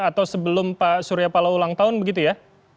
atau sebelum pak suryapala ulang tahun begitu ya